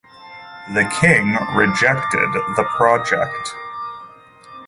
The king rejected the project.